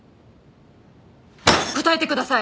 答えてください！